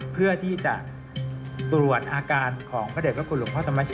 เพื่อที่จะตรวจอาการของพระเด็จพระคุณหลวงพ่อธรรมชิ